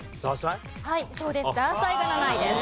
はいそうです。